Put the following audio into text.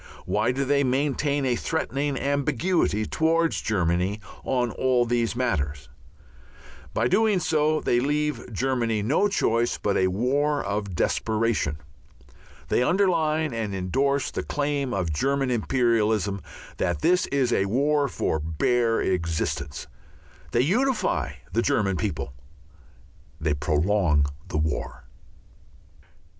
Why do they maintain a threatening ambiguity towards Germany on all these matters? By doing so they leave Germany no choice but a war of desperation. They underline and endorse the claim of German imperialism that this is a war for bare existence. They unify the German people. They prolong the war.